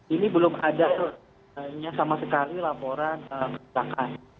ini belum adanya sama sekali laporan kerusakan